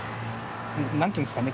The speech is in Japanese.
何て言うんですかね